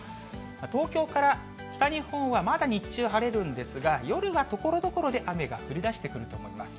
東京から北日本はまだ日中晴れるんですが、夜はところどころで雨が降りだしてくると思います。